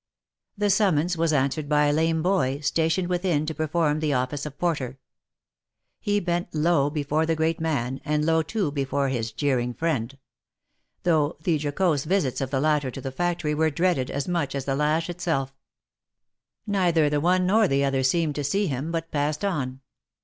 The summons was answered by a lame boy, stationed within to perform the office of porter. He bent low before the great man, and low too before his jeering friend ; though the jocose visits of the latter to the factory were dreaded as much as the lash itself. Neither the one nor the other seemed to see him, but passed on.